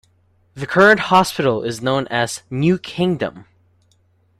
The current hospital is known as the "New Kingdom".